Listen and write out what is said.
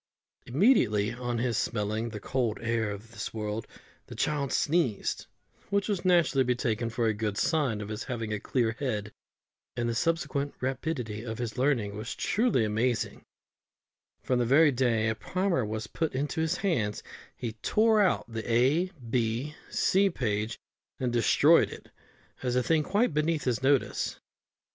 Immediately on his smelling the cold air of this world the child sneezed, which was naturally taken to be a good sign of his having a clear head; and the subsequent rapidity of his learning was truly amazing, for on the very first day a primer was put into his hands he tore out the A, B, C page and destroyed it, as a thing quite beneath his notice.